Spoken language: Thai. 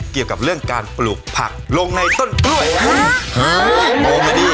เกี่ยวกับเรื่องการปลูกผักลงในต้นกล้วยหุ้นโมเมดี้